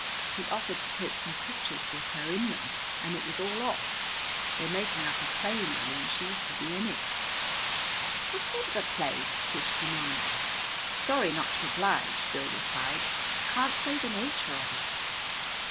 He offered to take some pictures with her in them, and it was all off. They're making up a play now, and she's to be in it." "What sort of a play?" Tish demanded. "Sorry not to oblige," Bill replied. "Can't say the nature of it."